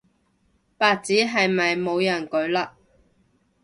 白紙係咪冇人舉嘞